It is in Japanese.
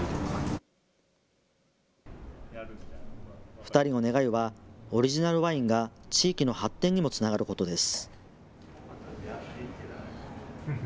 ２人の願いはオリジナルワインが地域の発展にもつながることです。